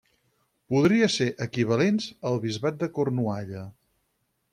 Podria ser equivalents al bisbat de Cornualla.